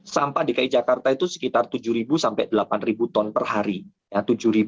sampah dki jakarta itu sekitar tujuh sampai delapan ton per hari